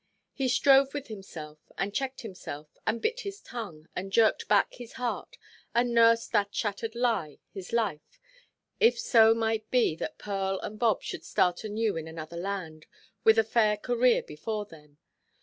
He strove with himself, and checked himself, and bit his tongue, and jerked back his heart, and nursed that shattered lie, his life, if so might be that Pearl and Bob should start anew in another land, with a fair career before them.